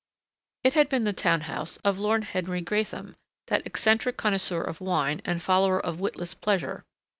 It had been the town house of Lord Henry Gratham, that eccentric connoisseur of wine and follower of witless pleasure.